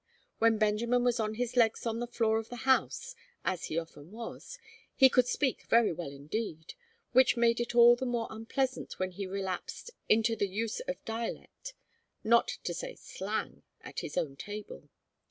When Benjamin was on his legs on the floor of the House, as he often was, he could speak very well indeed, which made it all the more unpleasant when he relapsed into the use of dialect, not to say slang, at his own table.